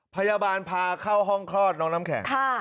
พยาบาลพาเข้าห้องคลอดน้องน้ำแข็ง